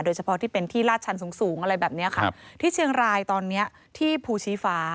เฉพาะที่เป็นที่ลาดชันสูงสูงอะไรแบบเนี้ยค่ะที่เชียงรายตอนเนี้ยที่ภูชีฟ้า